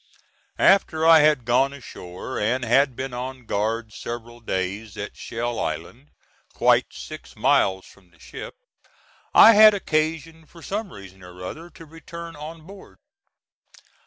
After I had gone ashore, and had been on guard several days at Shell Island, quite six miles from the ship, I had occasion for some reason or other to return on board.